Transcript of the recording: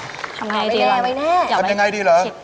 ทำยังไงดีล่ะทำยังไงดีล่ะ